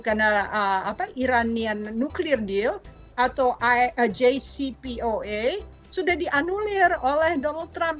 karena iranian nuclear deal atau jcpoa sudah dianulir oleh donald trump